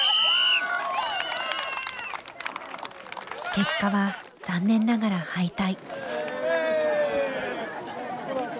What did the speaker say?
結果は残念ながら敗退。